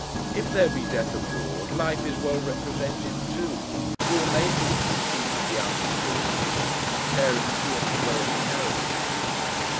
If there be death abroad, life is well represented too, for all Naples would seem to be out of doors, and tearing to and fro in carriages.